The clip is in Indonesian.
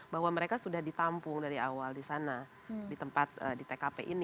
bahwa mereka sudah ditampung dari awal di sana di tempat di tkp ini